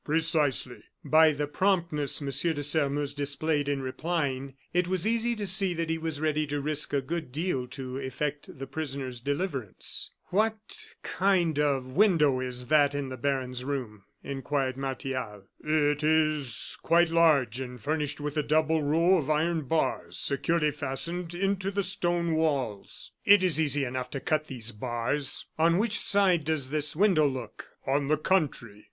"Precisely." By the promptness M. de Sairmeuse displayed in replying, it was easy to see that he was ready to risk a good deal to effect the prisoner's deliverance. "What kind of a window is that in the baron's room?" inquired Martial. "It is quite large and furnished with a double row of iron bars, securely fastened into the stone walls." "It is easy enough to cut these bars. On which side does this window look?" "On the country."